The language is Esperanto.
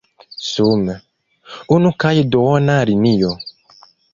Sume: unu kaj duona linio.